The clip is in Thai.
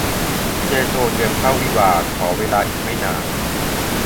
เจย์ โชว์ เตรียมเข้าวิวาห์ ขอเวลาอีกไม่นาน